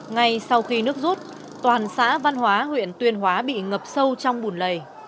ngay sau khi nước rút toàn xã văn hóa huyện tuyên hóa bị ngập sâu trong bùn lầy